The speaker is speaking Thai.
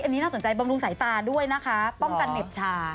อันนี้น่าสนใจบำรุงสายตาด้วยนะคะป้องกันเหน็บชา